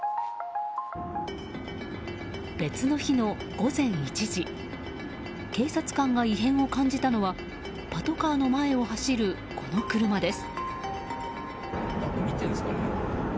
別の日の午前１時警察官が異変を感じたのはパトカーの前を走る、この車です。